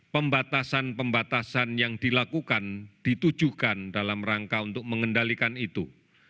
pembatasan pembatasan yang dilakukan ditujukan dalam rangka untuk mengendalikan itu